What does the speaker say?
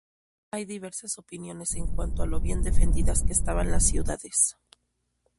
Hay diversas opiniones en cuanto a lo bien defendidas que estaban las ciudades.